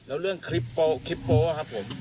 แล้วเรื่องคลิปโป๊ะครับผม